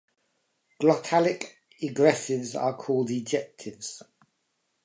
Glottalic egressives are called ejectives.